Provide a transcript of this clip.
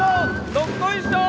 どっこいしょー